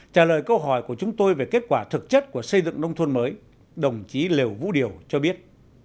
trả lời câu hỏi của chúng tôi về kết quả thực chất của xây dựng nông thôn mới đồng chí lều vũ điều cho biết